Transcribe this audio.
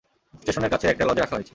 স্টেশনের কাছের একটা লজে রাখা হয়েছে।